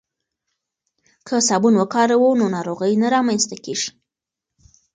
که صابون وکاروو نو ناروغۍ نه رامنځته کیږي.